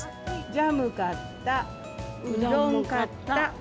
ジャム買った、うどん買った。